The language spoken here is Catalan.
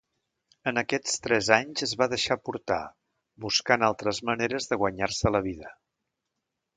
En aquests tres anys es va deixar portar, buscant altres maneres de guanyar-se la vida.